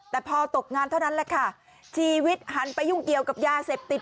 แต่พอตกงานเท่านั้นแหละค่ะชีวิตหันไปยุ่งเกี่ยวกับยาเสพติด